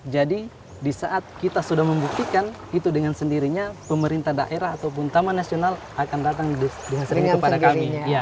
jadi disaat kita sudah membuktikan itu dengan sendirinya pemerintah daerah ataupun taman nasional akan datang dihasilkan kepada kami